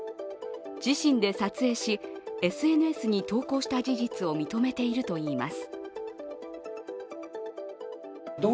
自身で撮影し、ＳＮＳに投稿した事実を認めているといいます。